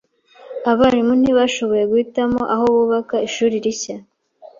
Abarimu ntibashoboye guhitamo aho bubaka ishuri rishya.